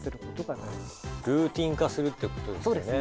ルーティーン化するってことですよね。